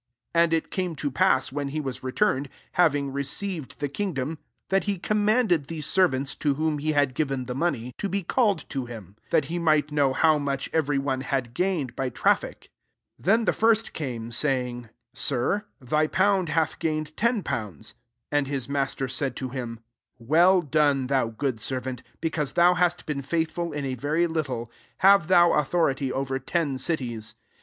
15 ^^ And it came to pass, whea he was returned, having re ceived the kingdom, that he commanded these servants, to whom he had given the money, to be called to him; that he might know how much every one had gained by traffic. 16 " Then the first came, say ing, * Sir, thy pound hath gain« ed ten pounds.' 17 And hh maater said to him, 'Well rfone, thou good servant : because thou hast been faithful in a very little, have thou authority over ten cities.'